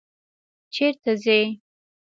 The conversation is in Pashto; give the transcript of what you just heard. چیرته ځئ؟